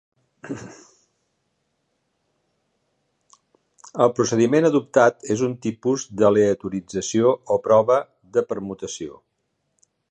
El procediment adoptat és un tipus d'aleatorització o prova de permutació.